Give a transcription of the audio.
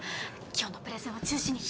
今日のプレゼンは中止に。